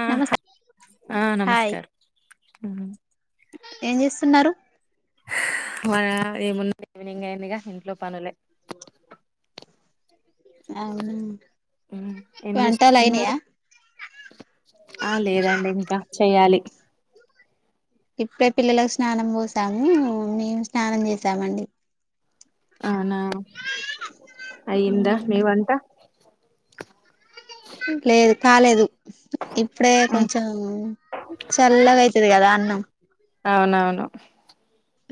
ఆ నమస్తే ఆ హాయ్ నమస్కారం హ ఏం చేస్తున్నారు మార ఏ మ ఈవినింగ్ అయిందిగా ఇంట్లో పనులే అవును ఏం పెంటలయిని చేస్తున్నారు ఆ లేదండి ఇంకా చెయ్యాలి ఇప్పుడే పిల్లలకు స్నానం పోసాము మేము స్నానం చేసామండి అవునా అయ్యంద మి వంటా లేదు కాలేదు ఇప్పుడే కొంచం చల్లగా అవుతది కదా అన్నం అవునవును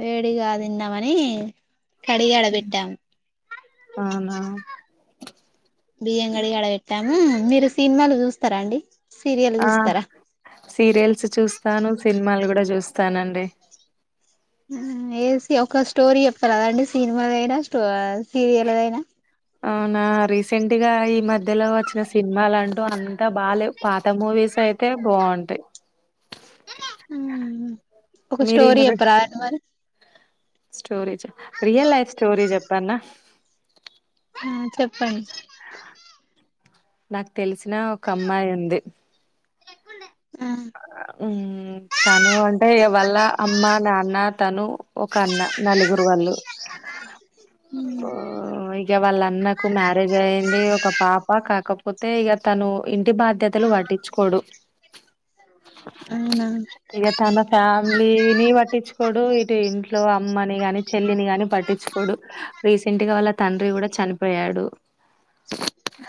వేడిగా తిందామని కడిగి అడబెట్టము అవునా వ బియ్యం కడి అడ బెట్టం మీరు సినిమాలు చూస్తారా అండి సీరియల్ ఆ చూస్తారా సీరియల్స్ చూస్తాను సినిమాలు కూడా చూస్తా స్తానండి ఏసి ఒక స్టోరీ చెప్పారాదండి సినిమాదైనా సీరియల్దైనా అవునా రీసెంట్ గా ఈ మధ్యలో వచ్చిన సినిమలుంటూ అంత బాలే పాత మూవీస్ అయితే బాగుంటాయి ఒక మీరు ఈ స్టోరీ మధ్య ఎప్పురా దండి మరి స్టోరీ రియల్ లైఫ్ స్టోరీ చెప్పన్న ఆ చెప్పండి నాకు తెలిసిన ఒక అమ్మాయి ఉంది ఆ ఉ తను అంటే వల్ళ అమ్మ నాన్న న్న తను ఒక అన్న నలుగురు వాళ్ళు ఉమ్ ఇక వాళ్ళ అన్నకు మ్యారేజ్ అఇంది ఒక పాప కాకపోతే తే ఇక తను ఇంటి బాధ్యతలు పట్టించుకోడు అవునా ఇక తన ఫ్యామిలీనీ పట్టించుకొడు ఇటు ఇంట్ల లో అమ్మని కాని చెల్లిని గాని పట్టించుకోడు రీసెంట్ గా వాళ్ళ తండ్రి కూడా చనిపోయాడు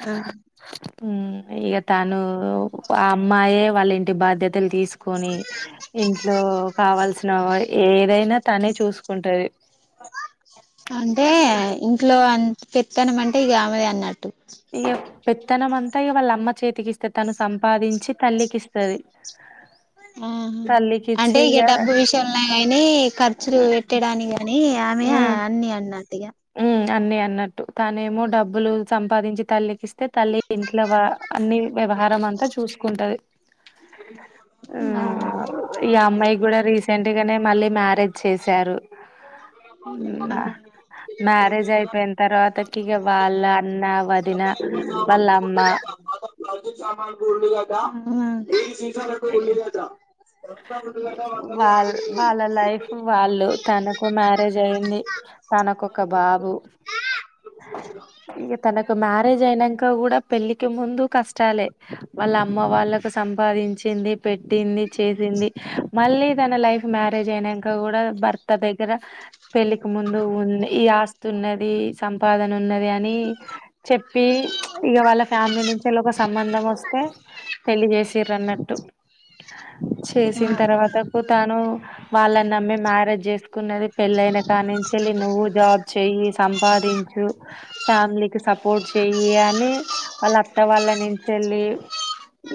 ఆ ఉ ఈగ తను అమ్మాయే వాళ్ళ ఇం టీ బాధ్యతలు తీసుకు కొని ఇంట్లో కావాల్సిన ఏదైనా తనే చూసుకుంటది అంటే ఇంట్లో అంత పెత్తానమంటే ఈ గ ఆమెదే అన్నట్టు ఇగా పె తనంమంతా వాళ్ళ అమ్మ చేతికి ఇస్తే తను సంపాదించి తల్లికి ఇస్తది మ్ హా తల్లికి ఇచ్చి అంటే ఇగ డబ్బు విషయల కానీ ఖర్చులు పెట్టడానికి గాని ఆమె అన్ని అ నాటిగా ఉ అన్ని అన్నట్టు తానే ఏమో డబ్బులు సంపాదించి తల్లికిస్తే తల్లి ఇంట్ల అన్ని వ్యవహారం అంతా చూసుకుంటది ఆ ఈ అమ్మాయి కూడా రీసెంట్గానే మళ్ళీ మ్యారేజ్ చేశారు అవునా మ్యారేజ్ అయిపోయిన తర్వాతకి ఇక వాళ్ళ అన్న వదిన వాళ్ళ అమ్మ రె ఉగాటా ఉగాట వ అ వాళ్ళ వాళ్ళ లైఫ్ వాళ్ళు తనకు మ్యారేజ్ అయింది తనకుొ ఒక బాబు ఈక తనకు మ్యారేజ్ అయినాక కూడాడా పెళ్ళికి ముందు కష్టాలే వాళ్ళ అమ్మ వాళ్ళకు సంపాదించింది పెట్టింది చేసింది మళ్ళీ తన లైఫ్ మ్యారేజ్ అయినాక కూడా బర్త్ త్త దగ్గర పెళ్ళికి ముందు ఉంది ఈ ఆస్తు ఉన్నది సంపాదన ఉన్నది అని చెప్పి ఇక వాళ్ళ ఫ్యామిలీ నుంచిలా ఒక సంబంధం వస్తే పెళ్లి చేసి్ర అన్నట్టు చేసిన తర్వాతకు తాను వాళ్ళ నమ్మి మ్యారేజ్ చేసుకున్నది పెళ్ళైన దాని నుంచి వెళ్ళి నువ్వు జాబ్ చెయ్య ఉపాదించు ఫ్యామిలీకి సపోర్ట్ చెయ్యి అని వాళ్ళ అత్త వాళ్ళ నుంచి వెళ్ళి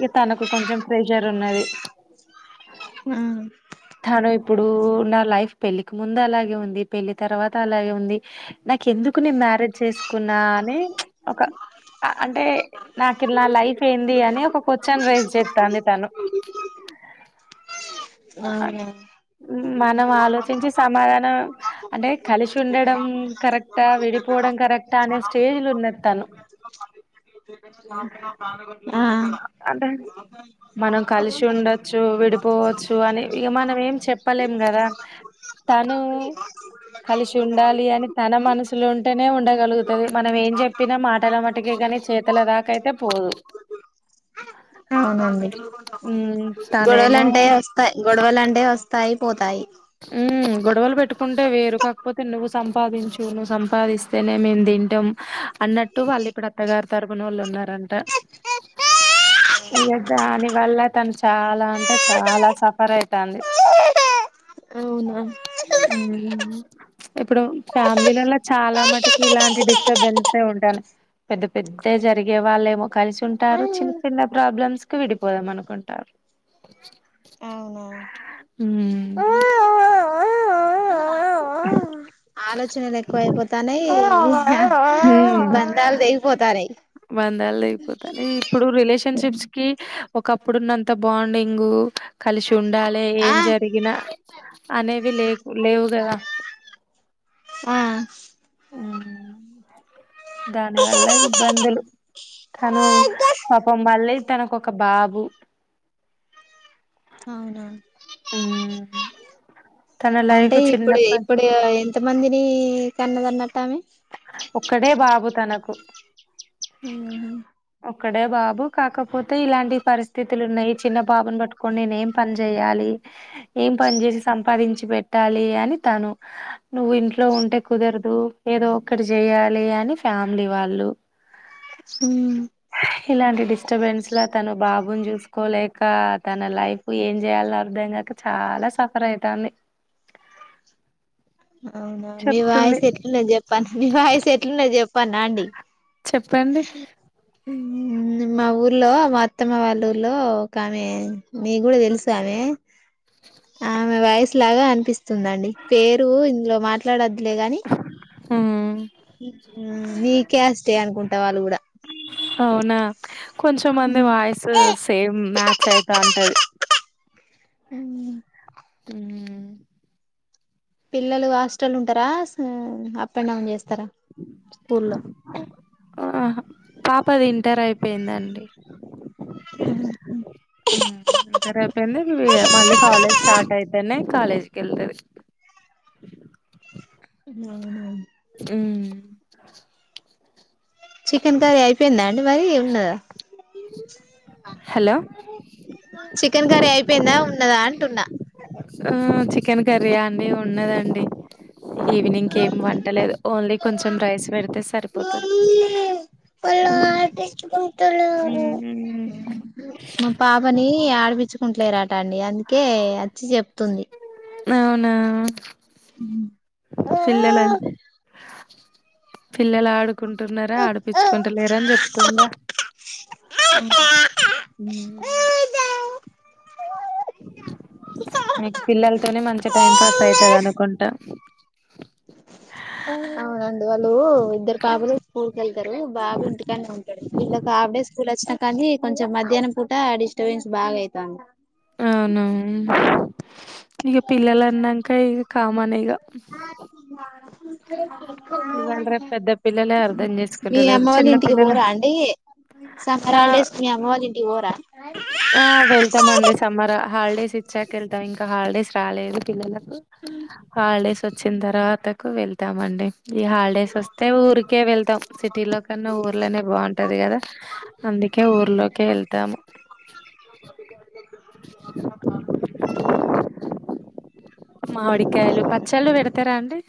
ఇ తనకు కొంచెం ప్రెషర్ ఉన్నది తను ఇప్పుడు నా లైఫ్ పెళ్లిికి ముందు అలాగే ఉంది పెళ్లిి తర్వాత అలాగే ఉంది నాకు ఎందుకు నే మ్యారేజ్ చేసుకున్నా అని ఒక అంటే నాకు నా లైఫ్ ఏంది అని ఒక కొచను రేస్ చెతాంది తను అవునా మనం ఆలోచించి సమాధానం అంటే కలిసి ఉండడం రెా విడిపోవడం కరెక్టా అనే స్టేజ్లు ఉన్నస్తాను అంటే మనం కలిసి ఉండచ్చు విడి పోవచ్చు అని ఇక మనం ఏం చెప్పలేం కదా తను కలిసి ఉండాలి అని తన మనసులు ఉంటేనే ఉండగలుగుతుది మనం ఏం చెప్పినా మాటల మటుకే కాని చేతుల దాకాయితే పోదు అవునండి ఉమ్ గొడవలు తనేమో అంటే వస్తాయి గొడవలు అంటే వస్తాయి తాయిపోతాయి ఉ గొడవలు పెట్టుకుంటే వేరు కాకపోతే నువ్వు సంపాదించు నువ్వు సంపాదిస్తేనే మేము తింటాం అన్నట్టు వాళ్ళు ఇప్పుడు అత్తగారు తరుగునోళ్ళు ఉన్నారంట ఇ దాని వల్ల తను చాలా అంటే చాలా సఫర్ అవుతుంది అవునా ఇప్పుడు ఫ్యామిలీలా చాలా మటు ఇలాంటి డిస్టర్బెన్సే ఉండల పెద్ద పెద్ద జరిగే వాళ్ళేమో కలిసి ఉంటారు చిన్న చిన్న ప్రాబ్లమ్స్ కు విడిపోదాం అనుకుంటారు అవునా ఆ ఆలోచనలు ఎక్కువ అయిపోతానాయి అవు బంధాలు తెగిపోతున్నాయ్ ఇప్పుడు రిలేషన్షిప్స్ కి ఒక్కప్పుడు ఉన్నంత బాండింగ్ ఉండాలి ఆ ఏం జరిగినా అనే అవి లే లేవుగద ఆ దాని వల్ల ఇబ్బందులు తను పాపం వల్లే తనకు ఒక బాబు అవునా తన అంటే లైఫ్ ఇప్పుడు చిన్నప్ప ఇప్పుడు ఎంత మందిని కన్నదన్న తామ ఒక్కడే బాబు తనకు ఆ ఒకక్కడే బాబు కాకపోతే ఇలాంటి పరిస్థితులు ఉన్నాయి చిన్న బాబుని పట్టుకొని నేను ఏం పని చెయాలి ఏం పని చేసి సంపాదించి పెట్టాలి అని తను నువ్వు ఇంట్లో ఉంటే కుదరదు ఏదో ఇక్కడ చెయాలి అని ఫ్యామిలీ వాళ్ళు ఇలాంటి డిస్టర్బెన్స్ లా తను బాబుని చూసుకోలేక ఇంకా తన లైఫ్ ఏం చేయలో అర్థంంగాక చాలా సఫర్ అయితుంది అవునా మీ వాయిస్ ఎట్లుంటే చొప్పల్న నీ వాయిస్ ఎట్లుండ చే పనాండి చెప్పండి మా ఊర్లో మా అత్తమ్మ వాళ్ళ ఊర్లో ఒక ఆమె మీ కూడా తెలుసు ఆమె ఆమె వయసు లాగా అనిపిస్తుందిండి పేరు ఇందులో మాట్లాడొదులే ని ఆ మీ కాస్ట్ అనుకుంటా వాళ్ళ కూడా అవునా కొంచమంది వాయిస్ సేమ్ మ్యాచ్ అయితా ఉంటది అవు హ పిల్లలు హాస్టల్ ఉంటారా అప్ అండ్ డౌన్ చేస్త ఇస్తారా స్కూల్లో పాప అది ఇంటర్ అయిపోయిందండి ఎంత రేపోయింది మళ్ళీ కాలేజ్ స్టార్ట్ అయితేనే కాలేజ్కి వెళ్తరి అవును అ చికెన్ కర్రీ అయిపోయిందా అండి మరి ఉన్నదా హలో చికెన్ కర్రీ అయిపోయిందా ఉన్నదా అంటున్నా ఆ చికెన్ కర్రీయా అండి ఉన్నదండి ఈవినింగ్ ఏం వంటలేదు ఓన్లీ కొంచెం రైస్ పెడితే సరిపోతుది ఆర్టిస్ ఇ మా పాపని ఆడపిచు కుంటలేరాట అండి అందుకే వచ్చి చెప్తుంది అవునా పిల్లలను పిల్లలు ఆడు కుంటున్నారా ఆడిపిచ్చుకుంటలేరా అని చెప్తుందా [unintelligible] మీకు పిల్లలతోనే మంచి టైం పాస్ ఆయితాది అనుకుంటా అవునండి వాళ్ళు ఇద్దరు పాపలు స్కూల్కి వెళ్తారు బాబు ఇంటికనే ఉంటాడు వీళ్ళకి హాఫ్ డే స్కూల్ వచ్చిన కానీ కొంచెం మధ్యాహ్నం పూట డిస్టర్బెన్స్ బాగా అయితుంది ఇక పిల్లలు అన్నాక ఇ కామన్ గా [unintelligible] ఇవాళ రేపు పెద్ద పిల్లలే అర్థం [inaudible] మీ చేసుకుంటలేరు అమ్మ వాళ్ళ చిన్న ఇంటికి పిల్లల పోరా అండి ఆ సక్కరాలుచేసుకొని మీ అమ్మ వాళ్ళ ఇంటికి పోరా ఆ వెళ్తాం అండి సమ్మర్ హాలిడేస్ ఇచ్చాక వెళ్తాం హాలిడేస్ రాలేదు ఇంకా హాలిడేస్ వచ్చిన తరువాత కు వెళ్తామండి ఈ హాలిడేస్ వస్తే ఊరికే వెళ్తాం సిటీ లో కన్నా ఊర్లోనే బాగుంటాది కదా అందుకే ఊర్లోకే వెళ్తాము మామిడికాయలు పచ్చళ్ళు పెడతారా అండి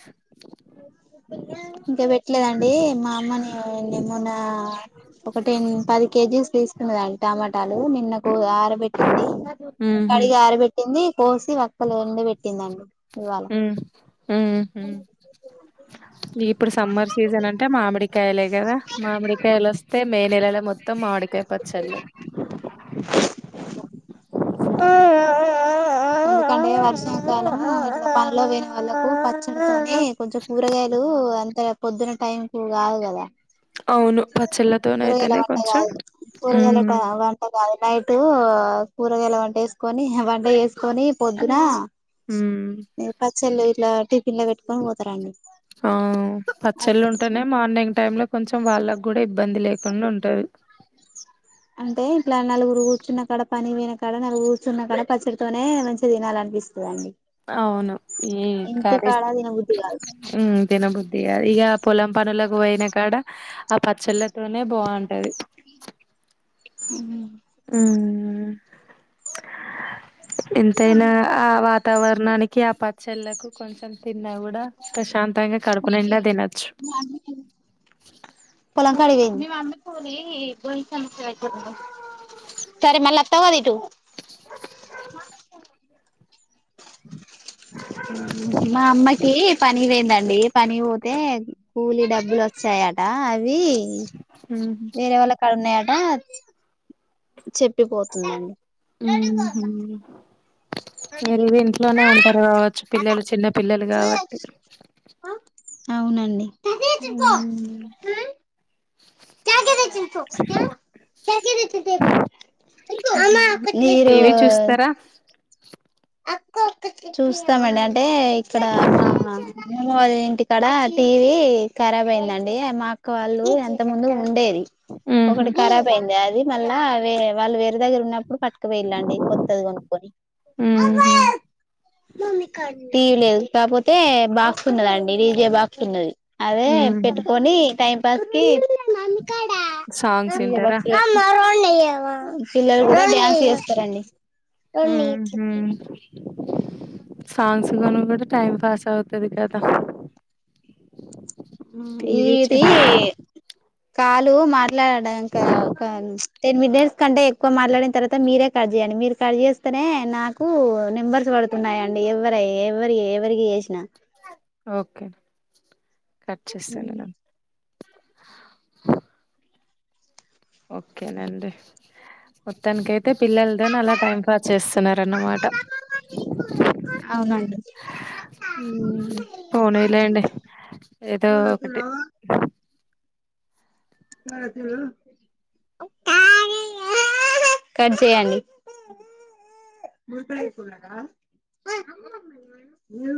ఇంకా పెట్టలేదండి మా అమ్మని నెమొననా ఒక టెన్ పది కేజీస్ తీసుకున్నాం సదాడి టమాటాలు నిన్నకు ఆరబెట్టింది ఉహు కడిగి ఆరబెట్టింది కోసి వెక్క ఎండ పెట్టిందండి ఇవాళ హమ్ హమ్ హా ఇప్పుడు సమ్మర్ సీజన్ అంటే మామిడికాయలే కదా మామిడికాయలు వస్తే మే నెలల మొత్తం మొత్తం మామికాయ పచ్చలే ఆ ఆ పడే వర్షం కాలం ఇలా వేరే వాళ్ళలకు పచ్చడతోని కొంచెం కూరగాయలు అంత పొద్దున టైం కు కాదు కదా అవును పచ్చెల్ తోనే అయి తాయి పని పరిగాల వంట [unintelligible] అది నైటు కూరగాయల వంట వేసుకొని వంట చేేసుకొని పొద్దున ఉమ్ ఈ పచ్చళ్ళు ఇట్లా టి పిల్ల పెట్టుక్కొని పోతరండి. ఆ పచ్చళ్ళు ఉంటానే మార్నింగ్ టైమ్ లో కొంచెం వాళ్ళక్ కూడా ఇబ్బంది లేకుండా ఉంటది. అంటే ఇట్లా నలుగురు ఉచ్చున్నక్కడ పనియి పోయినకాడ నలుగు ఉచ్చున్న కాడ పచ్చడితోనే మంచి తినాలనిపిస్తదండి. అవును, ఈ ఇంటి కర్రీస్ కాడ తినబుద్ధి కాదు ఉ తిన బుద్ది గాదు, ఇగ పొలం పనుల కు పోయిన కాడ, ఆ పచ్చళ్ళతోనే భాంటది. ఉహు, ఎంతైనా ఆ వాతావరణానికి ఆ పచ్చళ్ళకు కొంచమ్ తిన్నా కూడా ప్రశాంతంగా కడుపునిండా తినచ్చు. పొలం కాడికి పోయింది. సరే మళ్ళ్ వత్తవ్ గా ఇటు మా అమ్మకి పని పొయింద అండి, పని పోతే కూలి డబ్బులు వచ్చాయట అవి వేరే వాళ్ళ కాడ ఉన్నాయా ఆ చెప్పిపోతుందండి. ఊహూ మీరు ఇవి ఇంట్లోనే ఉంటారు కావచ్చు, పిల్లలు చిన్న పిల్లలు కావట్టి అవునండి‌. ఉ మీరు టీవీ చూస్తారా చూస్తామండి, అంటే ఇక్కడ మా మెమెల ఇంటి కాడ టీవీ ఖరాబ్ అయిందండి, మా అక్క వాళ్ళు ఎంత ముందు ఉండేది. ఊహూ ఒకటి ఖరాబ్ అయింది, అది మళ్ళా అవే వాళ్ళు వే ఇంటి దగ్గర ఉన్నప్పుడు పట్టక పోయిందండి, కొత్తది కొనుక్కొని ఊహూ టీవీ లేద్ కాపోతే ఎ బాహ్ ఉన్నదండి, డీజే బాక్స్ ఉన్నది. అదే హ్మ్ పెట్టుకొని టైం బస్ కి సాంగ్స్ డీజే వింటారా బాక్స్ ఇ ఆ పిల్లలు కూడా డాన్స్ చేస్తరండి. ఉమ్ సాంగ్స్ కాను పెడితే టైం పాస్ అవుతది కద అం ఈ ఇదీ కాల్ లూ మా ఇలా ఇంకా ఒక టెన్ మిడర్స్ కంటే ఎక్కువ మాట్లాడిన తర్వాత మీరే కట్ చేయండి మీరు కట్ చేస్తనే నాకూ నెంబర్స్ పడుతున్నాయండి ఎవ్వరై ఎవ్వరి ఎవరికి చేసినా ఓకే కట్ చేస్తాను నేను ఓకే నండీ మొత్తానికికై అయితే పిల్లలతోనే అలా టైం పాస్ చేస్తున్నారన్నమాట అవునండి పోనీ లేండి ఏదో ఒకటి కట్ చేయండి